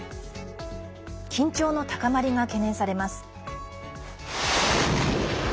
緊張の高まりが懸念されます。